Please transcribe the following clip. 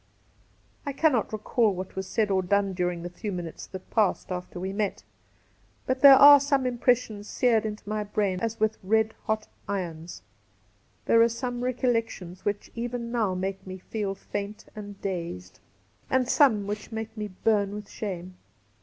I cannot recall what was said or done during the few minutes that passed after we met, but there are some impressions seared into my brain as with red hot irons; there are some recollections which even now make me feel faint and dazed, 1 34 Cassidy and some which make me burn with shame.